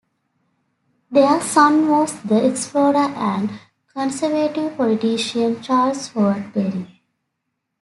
Their son was the explorer and Conservative politician Charles Howard-Bury.